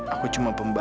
aku lo latudan pokoknya